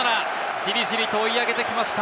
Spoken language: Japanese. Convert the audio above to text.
じりじりと追い上げてきました。